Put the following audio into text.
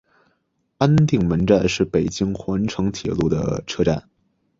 安定门站是北京环城铁路的车站。